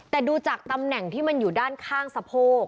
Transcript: แต่ดูจากตำแหน่งที่มันอยู่ด้านข้างสะโพก